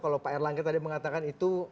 kalau pak erlangga tadi mengatakan itu